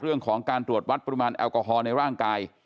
เรื่องของการตรวจวัดปริมาณแอลกอฮอล์ในร่างกาย